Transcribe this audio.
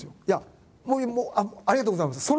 いやもうありがとうございます！